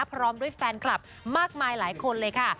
พร้อมด้วยแฟนคลับมากมายหลายคนเลยค่ะ